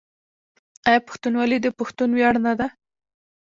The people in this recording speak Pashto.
آیا پښتونولي د پښتنو ویاړ نه ده؟